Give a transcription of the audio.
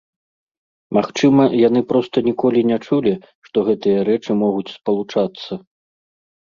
Магчыма, яны проста ніколі не чулі, што гэтыя рэчы могуць спалучацца.